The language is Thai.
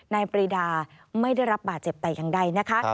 ปรีดาไม่ได้รับบาดเจ็บแต่อย่างใดนะคะ